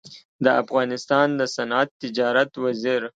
د افغانستان د صنعت تجارت وزیر